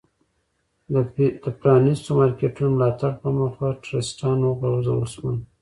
د پ رانیستو مارکېټونو ملاتړ په موخه ټرستان وغورځول شول.